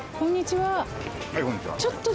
はいこんにちは。